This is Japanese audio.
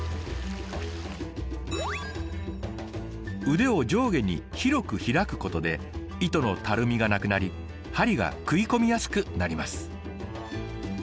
腕を上下に広く開くことで糸のたるみがなくなりはりが食い込みやすくなります。